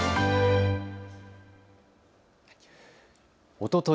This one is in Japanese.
おととい